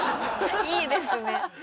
いいですね。